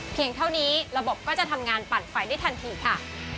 เท่านี้ระบบก็จะทำงานปั่นไฟได้ทันทีค่ะ